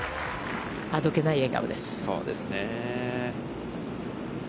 あどけない笑顔です。